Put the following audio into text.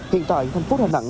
hiện tại thân phúc là đẳng